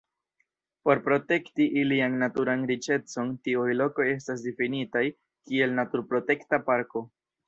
Por protekti ilian naturan riĉecon tiuj lokoj estas difinitaj kiel naturprotekta parko.